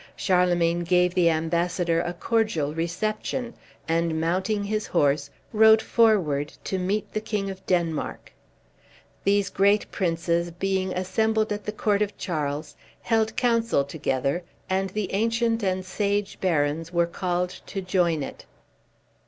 Charlemagne gave the ambassador a cordial reception, and mounting his horse, rode forward to meet the King of Denmark. These great princes, being assembled at the court of Charles, held council together, and the ancient and sage barons were called to join it.